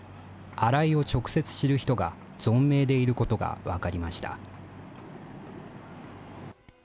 新井を直接知る人が、存命でいることが分かりました。